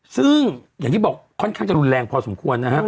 ซึ่งอย่างที่บอกค่อนข้างจะรุนแรงพอสมควรนะฮะ